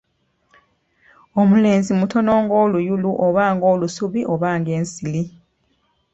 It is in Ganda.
Omulenzi mutono ng'oluyulu oba ng'olusubi oba ng'ensiri